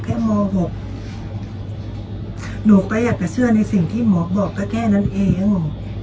ม๖หนูก็อยากจะเชื่อในสิ่งที่หมอบอกก็แค่นั้นเอง